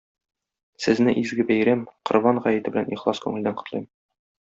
Сезне изге бәйрәм - Корбан гаете белән ихлас күңелдән котлыйм.